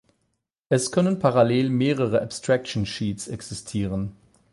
Es können parallel mehrere Abstraction Sheets existieren.